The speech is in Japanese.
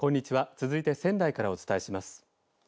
続いて仙台からお伝えします。